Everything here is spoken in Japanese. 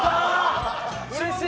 うれしい！